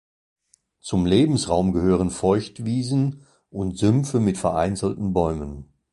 Zum Lebensraum gehören Feuchtwiesen und Sümpfe mit vereinzelten Bäumen.